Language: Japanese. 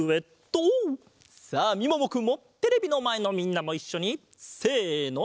さあみももくんもテレビのまえのみんなもいっしょにせの！